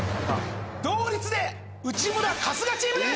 同率で内村春日チームです！